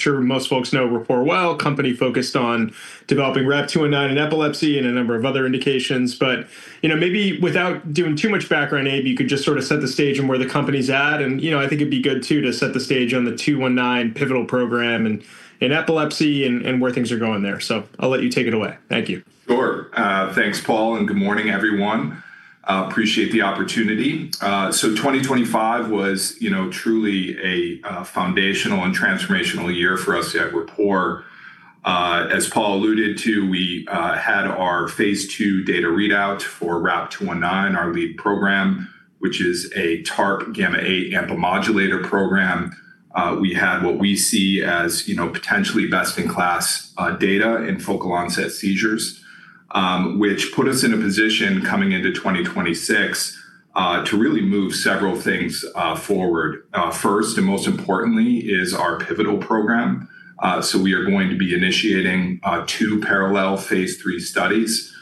Sure most folks know Rapport well, company focused on developing RAP-219 in epilepsy and a number of other indications. Maybe without doing too much background, Abe, you could just set the stage on where the company's at, and I think it'd be good too to set the stage on the 219 pivotal program in epilepsy and where things are going there. I'll let you take it away. Thank you. Sure. Thanks, Paul, and good morning, everyone. Appreciate the opportunity. 2025 was truly a foundational and transformational year for us at Rapport. As Paul alluded to, we had our phase II data readout for RAP-219, our lead program, which is a TARP gamma-8 AMPA modulator program. We had what we see as potentially best-in-class data in focal onset seizures, which put us in a position coming into 2026, to really move several things forward. First, and most importantly, is our pivotal program. We are going to be initiating two parallel phase III studies,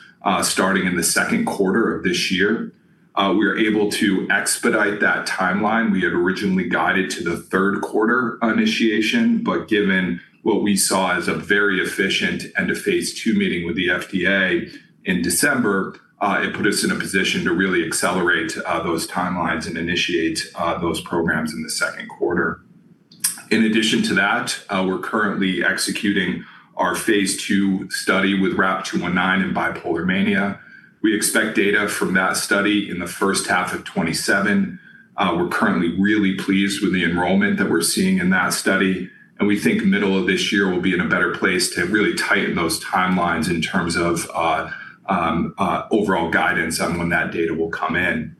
starting in the second quarter of this year. We are able to expedite that timeline. We had originally guided to the third quarter initiation, but given what we saw as a very efficient end-of-phase II meeting with the FDA in December, it put us in a position to really accelerate those timelines and initiate those programs in the second quarter. In addition to that, we're currently executing our phase II study with RAP-219 in bipolar mania. We expect data from that study in the first half of 2027. We're currently really pleased with the enrollment that we're seeing in that study, and we think middle of this year we'll be in a better place to really tighten those timelines in terms of overall guidance on when that data will come in.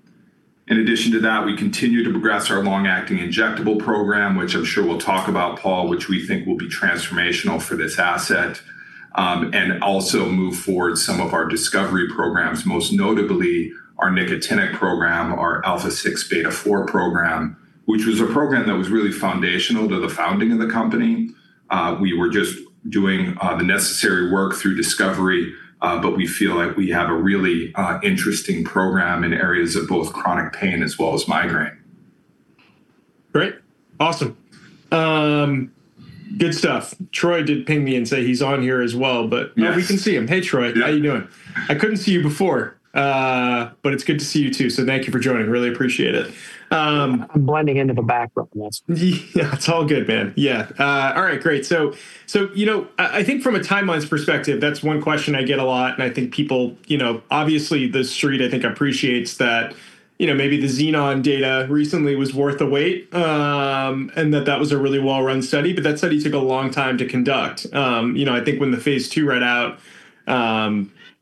In addition to that, we continue to progress our long-acting injectable program, which I'm sure we'll talk about, Paul, which we think will be transformational for this asset. Also move forward some of our discovery programs, most notably our nicotinic program, our alpha-6 beta-4 program, which was a program that was really foundational to the founding of the company. We were just doing the necessary work through discovery, but we feel like we have a really interesting program in areas of both chronic pain as well as migraine. Great. Awesome. Good stuff. Troy did ping me and say he's on here as well. Yeah We can see him. Hey, Troy. Yeah. How you doing? I couldn't see you before. It's good to see you, too. Thank you for joining. Really appreciate it. I'm blending into the background, that's all. Yeah, it's all good, man. Yeah. All right. Great. I think from a timelines perspective, that's one question I get a lot, and I think people, obviously, the street, I think appreciates that maybe the Xenon data recently was worth the wait, and that that was a really well-run study, but that study took a long time to conduct. I think when the phase II read out,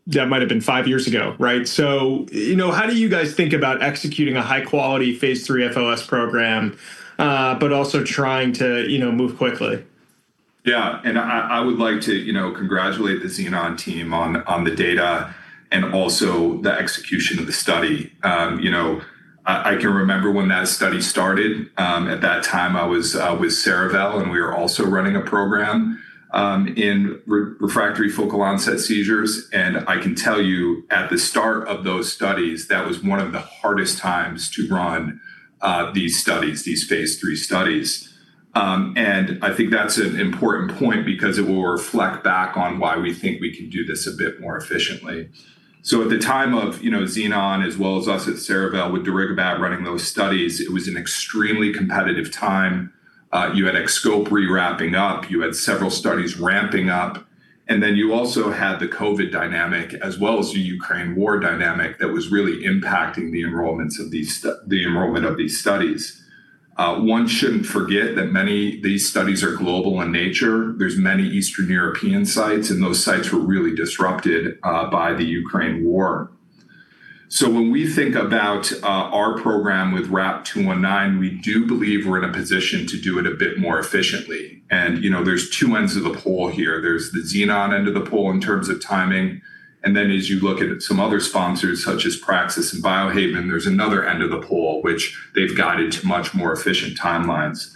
that might've been five years ago, right? How do you guys think about executing a high-quality phase III FOS program, but also trying to move quickly? Yeah. I would like to congratulate the Xenon team on the data and also the execution of the study. I can remember when that study started. At that time, I was with Cerevel, and we were also running a program in refractory focal onset seizures. I can tell you, at the start of those studies, that was one of the hardest times to run these phase III studies. I think that's an important point because it will reflect back on why we think we can do this a bit more efficiently. At the time of Xenon as well as us at Cerevel with darigabat running those studies, it was an extremely competitive time. You had XCOPRI wrapping up, you had several studies ramping up, and then you also had the COVID dynamic as well as the Ukraine war dynamic that was really impacting the enrollment of these studies. One shouldn't forget that many of these studies are global in nature. There's many Eastern European sites, and those sites were really disrupted by the Ukraine war. When we think about our program with RAP-219, we do believe we're in a position to do it a bit more efficiently. There's two ends of the pole here. There's the Xenon end of the pole in terms of timing, and then as you look at some other sponsors such as Praxis and Biohaven, there's another end of the pole, which they've guided to much more efficient timelines.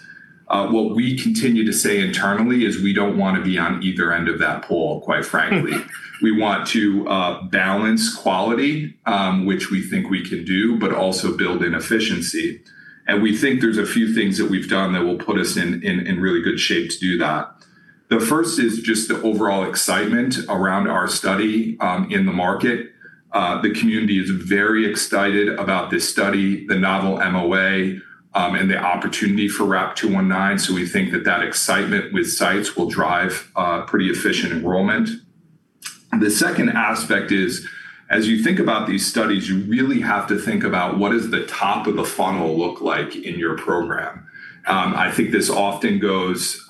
What we continue to say internally is we don't want to be on either end of that pole, quite frankly. We want to balance quality, which we think we can do, but also build in efficiency. We think there's a few things that we've done that will put us in really good shape to do that. The first is just the overall excitement around our study in the market. The community is very excited about this study, the novel MOA, and the opportunity for RAP-219, so we think that that excitement with sites will drive pretty efficient enrollment. The second aspect is, as you think about these studies, you really have to think about what is the top of the funnel look like in your program. I think this often goes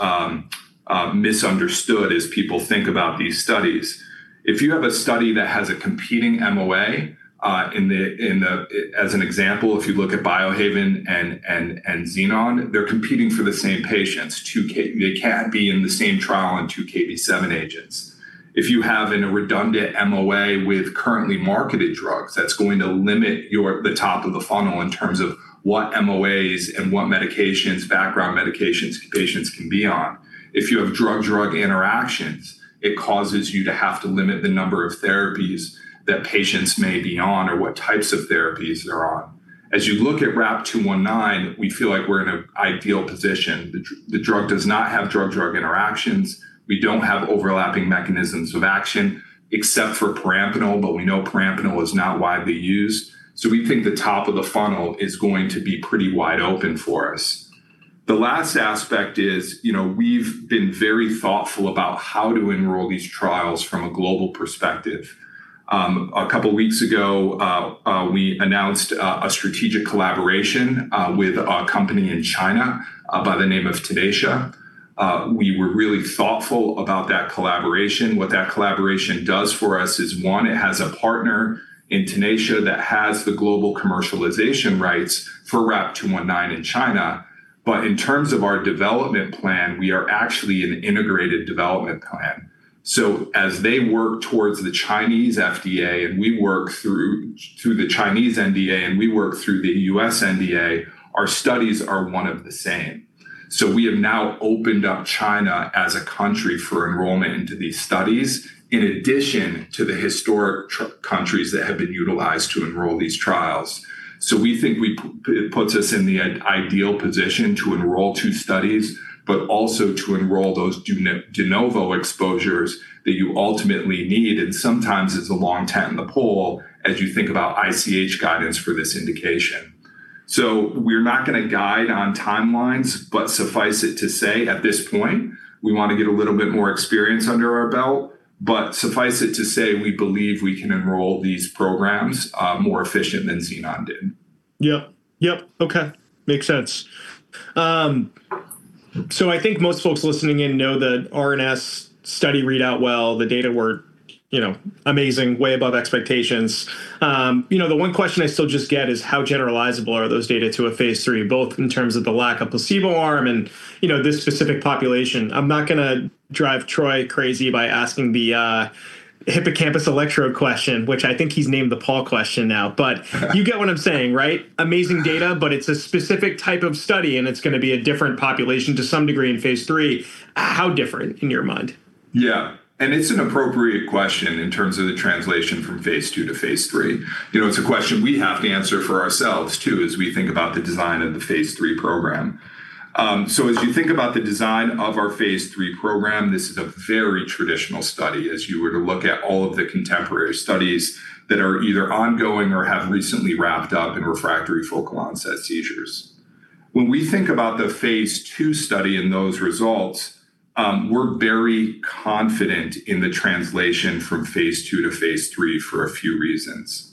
misunderstood as people think about these studies. If you have a study that has a competing MOA, as an example, if you look at Biohaven and Xenon, they're competing for the same patients. They can't be in the same trial on two Kv7 agents. If you have a redundant MOA with currently marketed drugs, that's going to limit the top of the funnel in terms of what MOAs and what background medications patients can be on. If you have drug-drug interactions, it causes you to have to limit the number of therapies that patients may be on or what types of therapies they're on. As you look at RAP-219, we feel like we're in an ideal position. The drug does not have drug-drug interactions. We don't have overlapping mechanisms of action, except for perampanel, but we know perampanel is not widely used. We think the top of the funnel is going to be pretty wide open for us. The last aspect is, we've been very thoughtful about how to enroll these trials from a global perspective. A couple of weeks ago, we announced a strategic collaboration with a company in China by the name of Tenacia. We were really thoughtful about that collaboration. What that collaboration does for us is, one, it has a partner in Tenacia that has the global commercialization rights for RAP-219 in China. In terms of our development plan, we are actually an integrated development plan. As they work towards the Chinese FDA, and we work through the Chinese NDA, and we work through the US NDA, our studies are one of the same. We have now opened up China as a country for enrollment into these studies, in addition to the historic countries that have been utilized to enroll these trials. We think it puts us in the ideal position to enroll two studies, but also to enroll those de novo exposures that you ultimately need, and sometimes it's a long time in the poll, as you think about ICH guidance for this indication. We're not going to guide on timelines, but suffice it to say, at this point, we want to get a little bit more experience under our belt. Suffice it to say, we believe we can enroll these programs more efficient than Xenon did. Yep. Okay. Makes sense. I think most folks listening in know the RNS study read out well, the data were amazing, way above expectations. The one question I still just get is how generalizable are those data to a phase III, both in terms of the lack of placebo arm and this specific population. I'm not going to drive Troy crazy by asking the hippocampus electrode question, which I think he's named the Paul question now. You get what I'm saying, right? Amazing data, but it's a specific type of study, and it's going to be a different population to some degree in phase III. How different in your mind? Yeah. It's an appropriate question in terms of the translation from phase II to phase III. It's a question we have to answer for ourselves, too, as we think about the design of the phase III program. As you think about the design of our phase III program, this is a very traditional study as you were to look at all of the contemporary studies that are either ongoing or have recently wrapped up in refractory focal onset seizures. When we think about the phase II study and those results, we're very confident in the translation from phase II to phase III for a few reasons.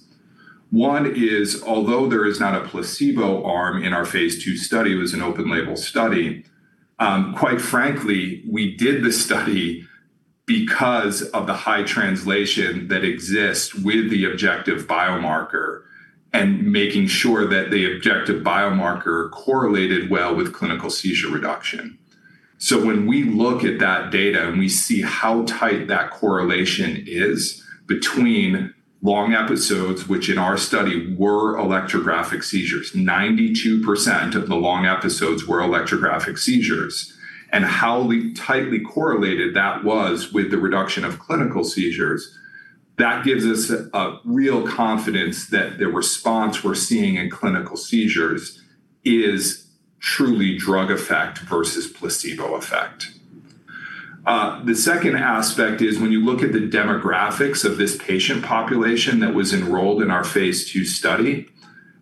One is, although there is not a placebo arm in our phase II study, it was an open-label study. Quite frankly, we did the study because of the high translation that exists with the objective biomarker, and making sure that the objective biomarker correlated well with clinical seizure reduction. When we look at that data and we see how tight that correlation is between long episodes, which in our study were electrographic seizures, 92% of the long episodes were electrographic seizures, and how tightly correlated that was with the reduction of clinical seizures, that gives us a real confidence that the response we're seeing in clinical seizures is truly drug effect versus placebo effect. The second aspect is when you look at the demographics of this patient population that was enrolled in our phase II study,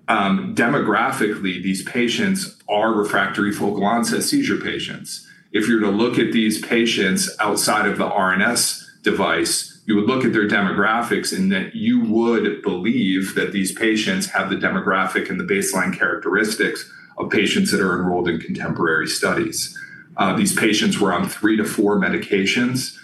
demographically, these patients are refractory focal onset seizure patients. If you're to look at these patients outside of the RNS device, you would look at their demographics and that you would believe that these patients have the demographic and the baseline characteristics of patients that are enrolled in contemporary studies. These patients were on three to four medications,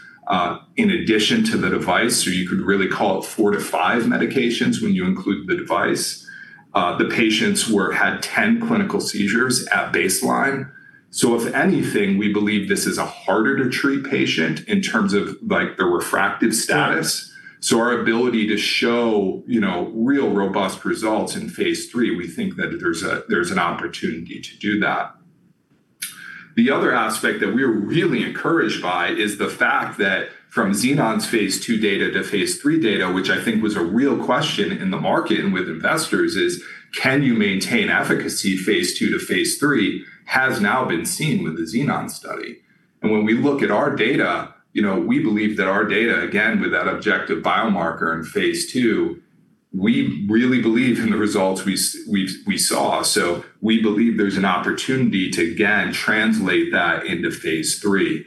in addition to the device, so you could really call it four to five medications when you include the device. The patients had 10 clinical seizures at baseline. If anything, we believe this is a harder-to-treat patient in terms of their refractive status. Our ability to show real robust results in phase III, we think that there's an opportunity to do that. The other aspect that we're really encouraged by is the fact that from Xenon's phase II data to phase III data, which I think was a real question in the market and with investors, is can you maintain efficacy phase II to phase III, has now been seen with the Xenon study. When we look at our data, we believe that our data, again, with that objective biomarker in phase II, we really believe in the results we saw. We believe there's an opportunity to, again, translate that into phase III.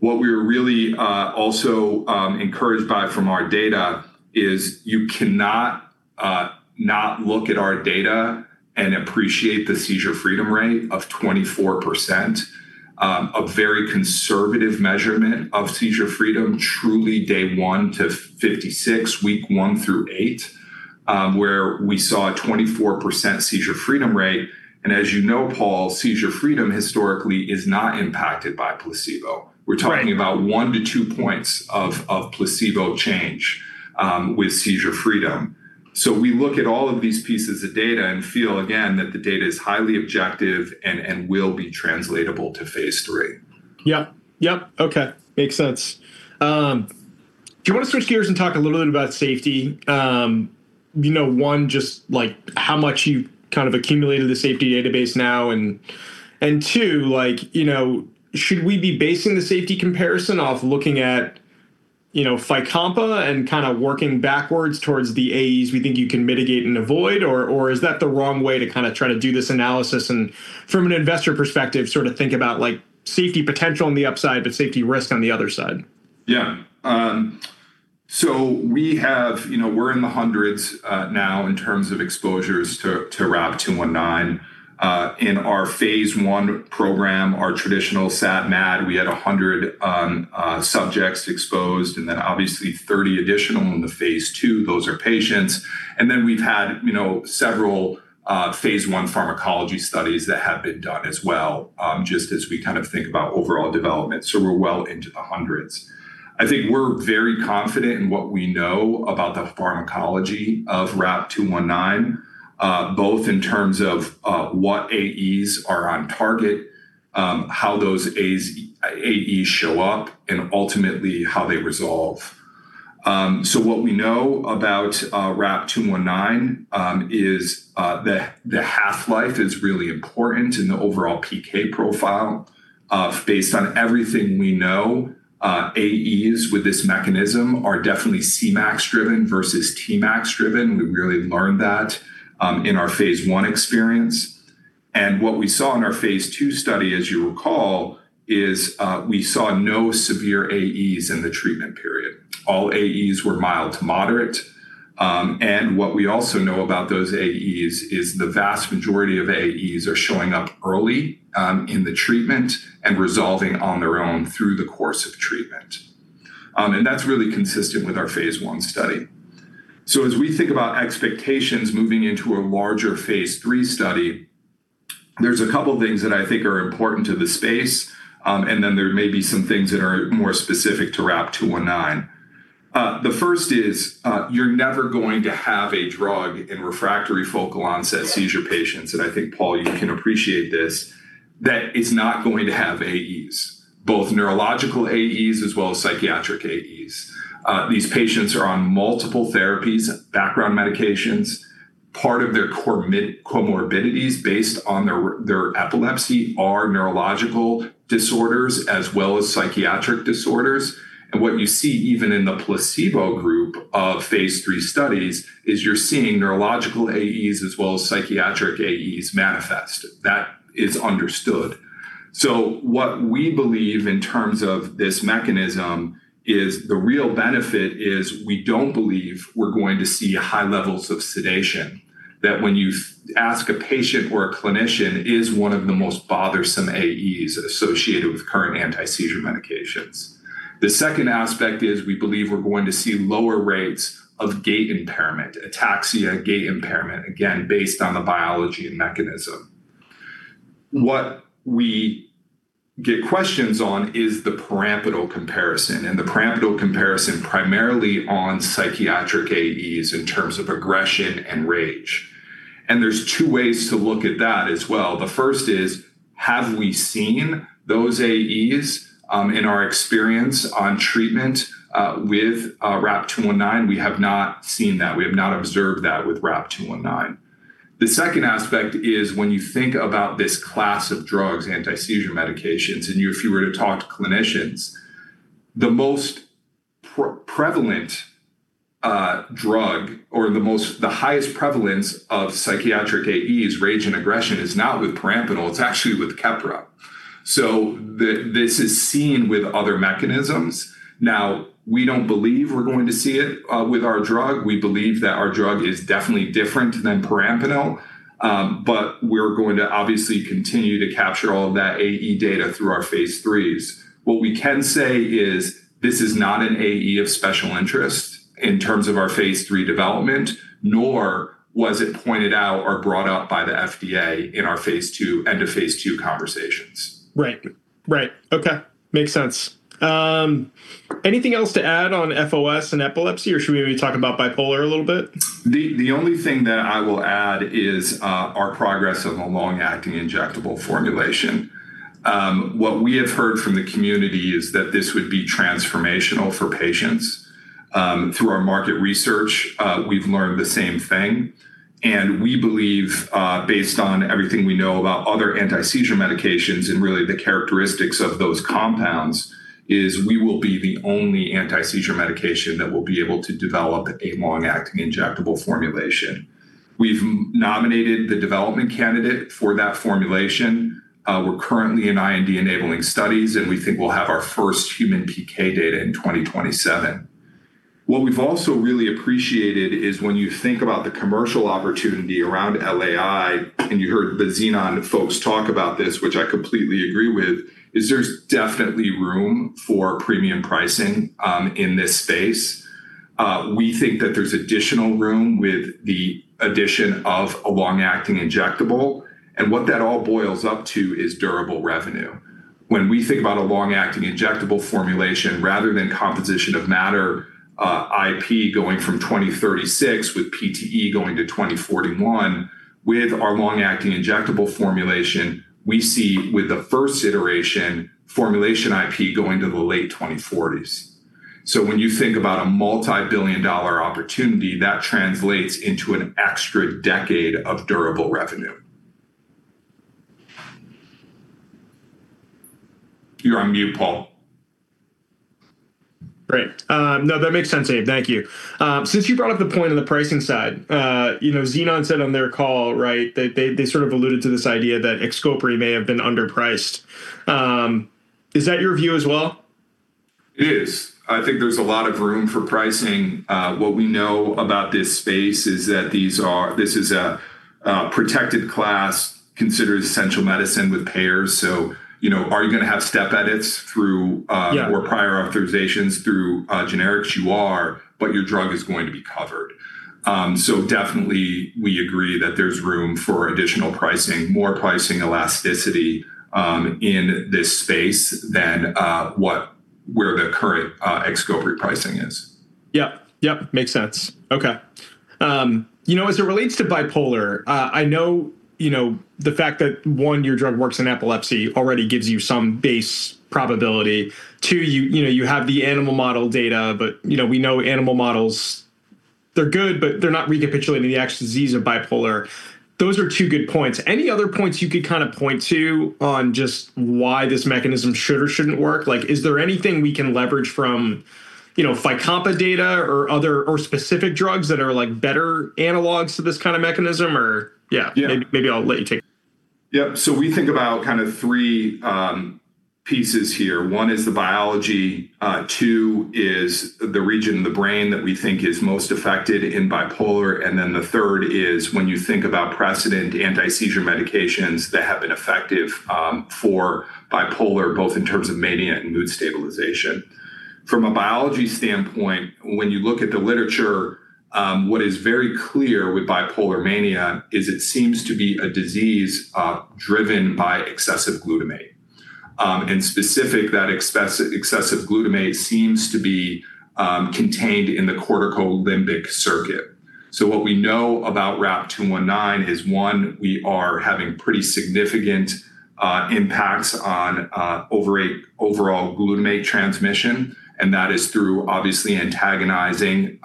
What we're really also encouraged by from our data is you cannot not look at our data and appreciate the seizure freedom rate of 24%, a very conservative measurement of seizure freedom, truly day one to 56, week one through eight, where we saw a 24% seizure freedom rate. As you know, Paul, seizure freedom historically is not impacted by placebo. Right. We're talking about one to two points of placebo change with seizure freedom. We look at all of these pieces of data and feel, again, that the data is highly objective and will be translatable to phase III. Yep. Okay. Makes sense. Do you want to switch gears and talk a little bit about safety? One, just how much you've accumulated the safety database now, and two, should we be basing the safety comparison off looking at FYCOMPA and working backwards towards the AEs we think you can mitigate and avoid, or is that the wrong way to try to do this analysis and from an investor perspective, think about safety potential on the upside, but safety risk on the other side? We're in the hundreds now in terms of exposures to RAP-219. In our phase I program, our traditional SAD/MAD, we had 100 subjects exposed, then obviously 30 additional in the phase II. Those are patients. We've had several phase I pharmacology studies that have been done as well, just as we think about overall development. We're well into the hundreds. I think we're very confident in what we know about the pharmacology of RAP-219, both in terms of what AEs are on target, how those AEs show up, and ultimately, how they resolve. What we know about RAP-219 is the half-life is really important in the overall PK profile. Based on everything we know, AEs with this mechanism are definitely Cmax driven versus Tmax driven. We really learned that in our phase I experience. We saw in our phase II study, as you recall, we saw no severe AEs in the treatment period. All AEs were mild to moderate. What we also know about those AEs is the vast majority of AEs are showing up early in the treatment and resolving on their own through the course of treatment. That's really consistent with our phase I study. As we think about expectations moving into a larger phase III study, there's a couple things that I think are important to the space, and then there may be some things that are more specific to RAP-219. The first is you're never going to have a drug in refractory focal onset seizure patients, and I think, Paul, you can appreciate this, that is not going to have AEs, both neurological AEs as well as psychiatric AEs. These patients are on multiple therapies, background medications, part of their comorbidities based on their epilepsy are neurological disorders as well as psychiatric disorders. What you see even in the placebo group of phase III studies is you're seeing neurological AEs as well as psychiatric AEs manifest. That is understood. What we believe in terms of this mechanism is the real benefit is we don't believe we're going to see high levels of sedation, that when you ask a patient or a clinician, is one of the most bothersome AEs associated with current anti-seizure medications. The second aspect is we believe we're going to see lower rates of gait impairment, ataxia, gait impairment, again, based on the biology and mechanism. What we get questions on is the perampanel comparison, and the perampanel comparison primarily on psychiatric AEs in terms of aggression and rage. There's two ways to look at that as well. The first is, have we seen those AEs in our experience on treatment with RAP-219? We have not seen that. We have not observed that with RAP-219. The second aspect is when you think about this class of drugs, anti-seizure medications, and if you were to talk to clinicians, the most prevalent drug or the highest prevalence of psychiatric AEs, rage and aggression, is not with perampanel, it's actually with Keppra. This is seen with other mechanisms. We don't believe we're going to see it with our drug. We believe that our drug is definitely different than perampanel, but we're going to obviously continue to capture all of that AE data through our phase IIIs. What we can say is this is not an AE of special interest in terms of our phase III development, nor was it pointed out or brought up by the FDA in our end-of-phase II conversations. Right. Okay. Makes sense. Anything else to add on FOS and epilepsy, or should we talk about bipolar a little bit? The only thing that I will add is our progress on a long-acting injectable formulation. What we have heard from the community is that this would be transformational for patients. Through our market research, we've learned the same thing, and we believe, based on everything we know about other anti-seizure medications and really the characteristics of those compounds, is we will be the only anti-seizure medication that will be able to develop a long-acting injectable formulation. We've nominated the development candidate for that formulation. We're currently in IND-enabling studies, and we think we'll have our first human PK data in 2027. What we've also really appreciated is when you think about the commercial opportunity around LAI, and you heard the Xenon folks talk about this, which I completely agree with, is there's definitely room for premium pricing in this space. We think that there's additional room with the addition of a long-acting injectable, and what that all boils up to is durable revenue. When we think about a long-acting injectable formulation, rather than composition of matter IP going from 2036 with PTE going to 2041. With our long-acting injectable formulation, we see with the first iteration formulation IP going to the late 2040s. When you think about a multi-billion dollar opportunity, that translates into an extra decade of durable revenue. You're on mute, Paul. Great. That makes sense, Abe. Thank you. Since you brought up the point on the pricing side, Xenon said on their call, they sort of alluded to this idea that XCOPRI may have been underpriced. Is that your view as well? It is. I think there's a lot of room for pricing. What we know about this space is that this is a protected class, considered essential medicine with payers. Are you going to have step edits through- Yeah Prior authorizations through generics? You are, but your drug is going to be covered. Definitely we agree that there's room for additional pricing, more pricing elasticity in this space than where the current XCOPRI pricing is. Yep. Makes sense. Okay. As it relates to bipolar, I know the fact that, one, your drug works in epilepsy already gives you some base probability. Two, you have the animal model data, but we know animal models, they're good, but they're not recapitulating the actual disease of bipolar. Those are two good points. Any other points you could point to on just why this mechanism should or shouldn't work? Is there anything we can leverage from FYCOMPA data or specific drugs that are better analogues to this kind of mechanism? Yeah. Maybe I'll let you take it. Yep. We think about three pieces here. One is the biology, two is the region of the brain that we think is most affected in bipolar, and then the third is when you think about precedent anti-seizure medications that have been effective for bipolar, both in terms of mania and mood stabilization. From a biology standpoint, when you look at the literature, what is very clear with bipolar mania is it seems to be a disease driven by excessive glutamate. Specific, that excessive glutamate seems to be contained in the corticolimbic circuit. What we know about RAP-219 is, one, we are having pretty significant impacts on overall glutamate transmission, and that is through obviously antagonizing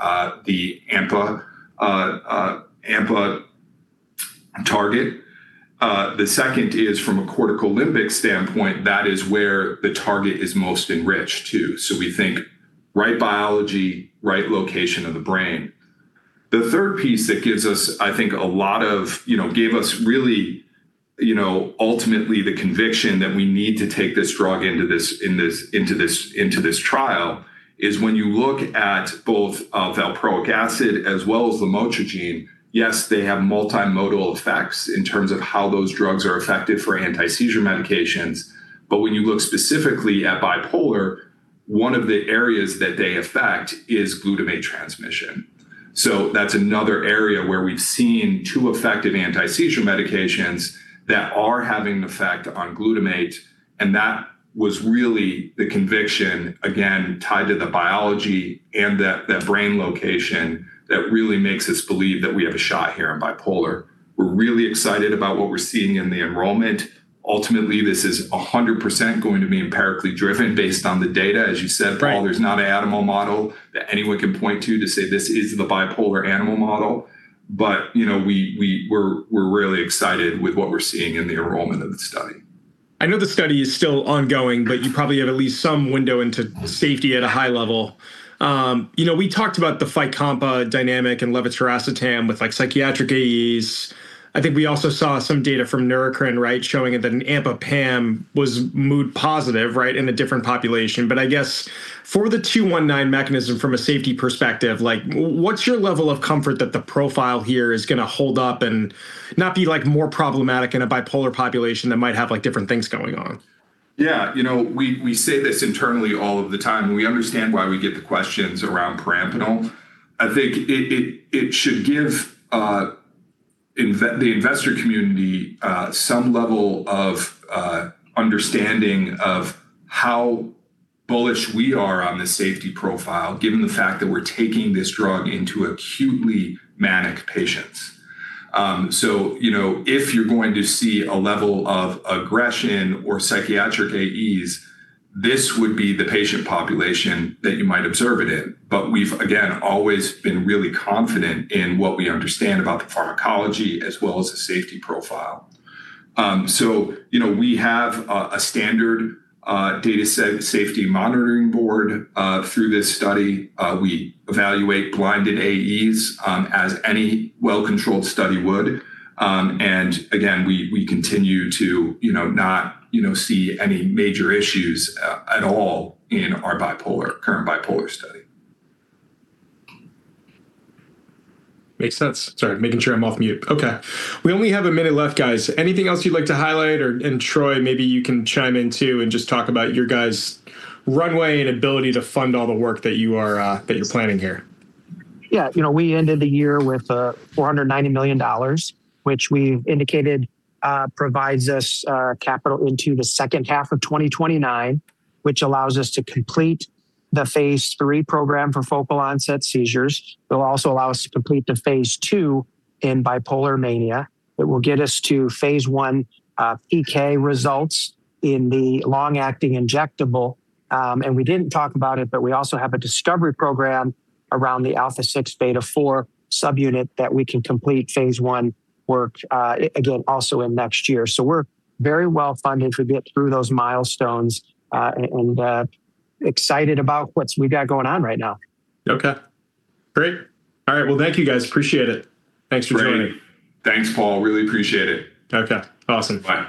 the AMPA target. The second is from a corticolimbic standpoint, that is where the target is most enriched, too. We think right biology, right location of the brain. The third piece that gives us, I think, a lot of, gave us really ultimately the conviction that we need to take this drug into this trial is when you look at both valproic acid as well as lamotrigine, yes, they have multimodal effects in terms of how those drugs are effective for anti-seizure medications. When you look specifically at bipolar, one of the areas that they affect is glutamate transmission. That's another area where we've seen two effective anti-seizure medications that are having an effect on glutamate, and that was really the conviction, again, tied to the biology and that brain location that really makes us believe that we have a shot here in bipolar. We're really excited about what we're seeing in the enrollment. Ultimately, this is 100% going to be empirically driven based on the data. As you said, Paul. Right There's not an animal model that anyone can point to to say this is the bipolar animal model. We're really excited with what we're seeing in the enrollment of the study. I know the study is still ongoing, you probably have at least some window into safety at a high level. We talked about the FYCOMPA dynamic and levetiracetam with psychiatric AEs. I think we also saw some data from Neurocrine showing that an ampakine was mood positive in a different population. I guess for the 219 mechanism from a safety perspective, what's your level of comfort that the profile here is going to hold up and not be more problematic in a bipolar population that might have different things going on? Yeah. We say this internally all of the time, we understand why we get the questions around perampanel. I think it should give the investor community some level of understanding of how bullish we are on the safety profile, given the fact that we're taking this drug into acutely manic patients. If you're going to see a level of aggression or psychiatric AEs, this would be the patient population that you might observe it in. We've, again, always been really confident in what we understand about the pharmacology as well as the safety profile. We have a standard data safety monitoring board through this study. We evaluate blinded AEs as any well-controlled study would. Again, we continue to not see any major issues at all in our current bipolar study. Makes sense. Sorry, making sure I'm off mute. Okay. We only have a minute left, guys. Anything else you'd like to highlight? Troy, maybe you can chime in too and just talk about your guys' runway and ability to fund all the work that you're planning here. Yeah. We ended the year with $490 million, which we've indicated provides us capital into the second half of 2029, which allows us to complete the phase III program for focal onset seizures. It will also allow us to complete the phase II in bipolar mania. It will get us to phase I PK results in the long-acting injectable. We didn't talk about it, but we also have a discovery program around the alpha-6 beta-4 subunit that we can complete phase I work, again, also in next year. We're very well-funded to get through those milestones, and excited about what we've got going on right now. Okay. Great. All right. Well, thank you, guys. Appreciate it. Thanks for joining. Great. Thanks, Paul. Really appreciate it. Okay, awesome. Bye.